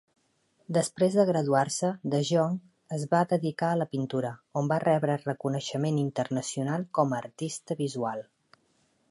Després de graduar-se, De Jong es va dedicar a la pintura, on va rebre reconeixement internacional com a artista visual.